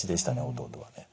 弟はね。